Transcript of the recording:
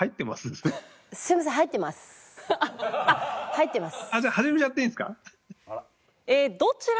入ってます。